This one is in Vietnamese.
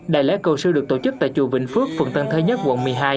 đại lễ cầu siêu được tổ chức tại chùa vĩnh phước phường tân thới nhất quận một mươi hai